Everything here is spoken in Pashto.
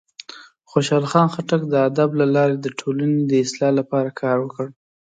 خوشحال خان خټک د ادب له لارې د ټولنې د اصلاح لپاره کار وکړ.